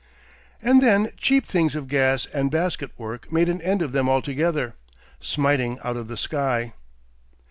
And then cheap things of gas and basket work made an end of them altogether, smiting out of the sky!...